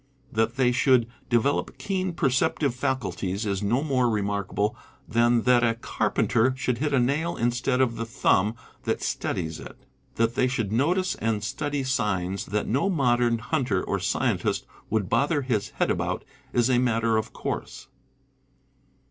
That they should de velop keen perceptive faculties is no more remarkable than that a carpenter should hit a nail instead of the thumb that steadies it. That they should notice and study signs that no modern hunter or scientist would bother his head about is a matter of course.